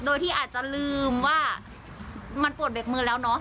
โดยที่อาจจะลืมว่ามันปวดเบรกมือแล้วเนอะ